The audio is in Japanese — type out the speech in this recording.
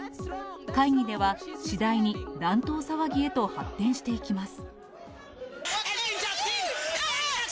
会議では、次第に乱闘騒ぎへと発展していきます。